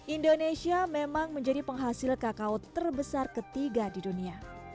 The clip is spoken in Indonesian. indonesia memang menjadi penghasil kakao terbesar ketiga di dunia